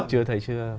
chưa thấy chưa